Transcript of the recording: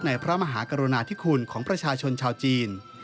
พระมหากรุณาธิคุณของประชาชนชาวจีน